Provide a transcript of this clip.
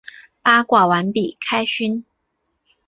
八卦完毕，开勋！